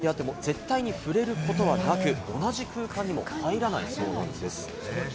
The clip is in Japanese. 飼育員であっても絶対に触れることはなく、同じ空間にも入らないそうなんです。